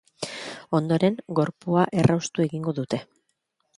Ondoren, gorpua erraustu egingo dute.